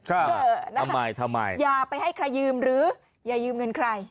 ทำไมทำไมอย่าไปให้ใครยืมหรืออย่ายืมเงินใคร